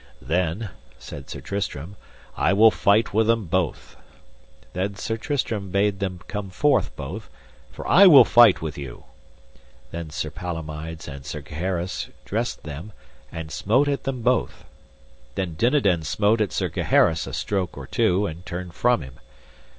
Then, said Sir Tristram, I will fight with them both. Then Sir Tristram bade them come forth both, for I will fight with you. Then Sir Palomides and Sir Gaheris dressed them, and smote at them both. Then Dinadan smote at Sir Gaheris a stroke or two, and turned from him.